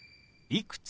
「いくつ？」。